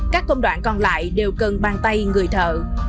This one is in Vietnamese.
các công đoạn còn lại đều cần bàn tay người thợ